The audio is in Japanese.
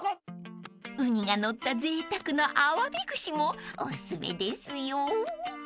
［ウニがのったぜいたくなあわび串もおすすめですよ］